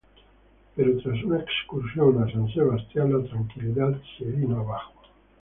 Pero tras una excursión a San Sebastián la tranquilidad se viene abajo.